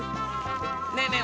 ねえねえ